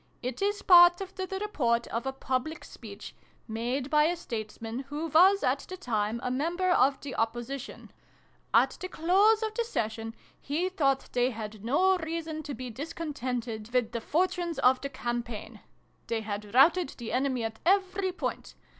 It is part of the report of a public speech, made by a Statesman who was at the time a mem ber of the ' Opposition ':"' At the close of the Session, he thought they had no reason to be discontented with the 204 SYLVIE AND BRUNO CONCLUDED. fortunes of the campaign. They had routed the enemy at every point.